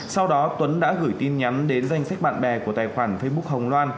sau đó tuấn đã gửi tin nhắn đến danh sách bạn bè của tài khoản facebook hồng loan